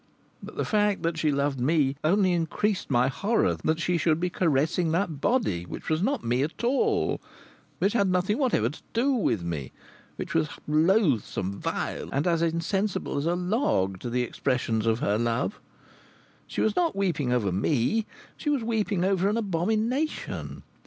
But the fact that she loved me only increased my horror that she should be caressing that body, which was not me at all, which had nothing whatever to do with me, which was loathsome, vile, and as insensible as a log to the expressions of her love. She was not weeping over me. She was weeping over an abomination.